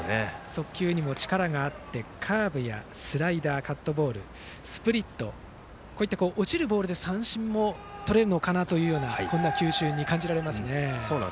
速球にも力があってカーブやスライダーカットボールスプリットと落ちるボールで三振もとれるという球種に感じられますね。